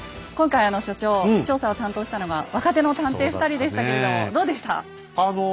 今回あの所長調査を担当したのが若手の探偵２人でしたけれどもどうでした？